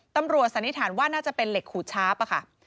ตำรวจสันนิษฐานว่าน่าจะเป็นเหล็กขู่ช้าป่ะค่ะ